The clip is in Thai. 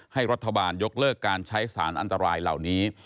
ให้รัฐบาลยกเลิกการใช้สารอันตรายเหล่านี้